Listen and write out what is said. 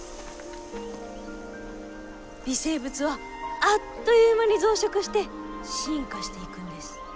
微生物はあっという間に増殖して進化していくんです。